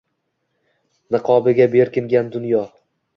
Niqobiga berkingan dunyo